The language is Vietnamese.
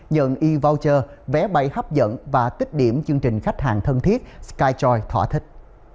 nhận e voucher vé bay hấp dẫn và kích điểm chương trình khách hàng thân thiết skytroi thỏa thích